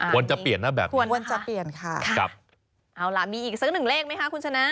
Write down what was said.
ควรจะเปลี่ยนหน้าแบบนี้ค่ะค่ะค่ะค่ะเอาล่ะมีอีกสักหนึ่งเลขไหมคะคุณชนะ